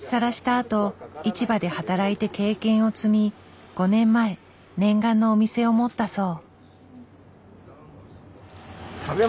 あと市場で働いて経験を積み５年前念願のお店を持ったそう。